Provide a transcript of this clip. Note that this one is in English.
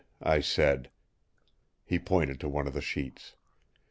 I said. He pointed to one of the sheets.